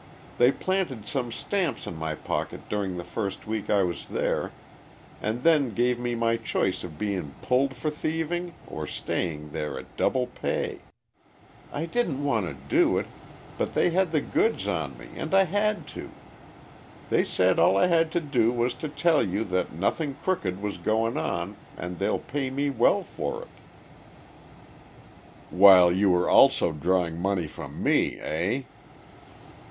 They planted some stamps in my pocket during the first week I was there and then gave me my choice of bein' pulled for thieving or staying there at double pay. I didn't want to do it, but they had the goods on me and I had to. They said all I had to do was to tell you that nothing crooked was goin' on and they'll pay me well for it." "While you were also drawing money from me, eh?"